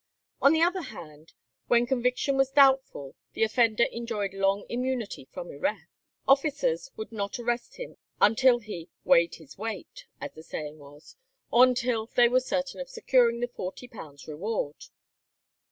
On the other hand, when conviction was doubtful the offender enjoyed long immunity from arrest. Officers would not arrest him until he "weighed his weight," as the saying was, or until they were certain of securing the £40 reward.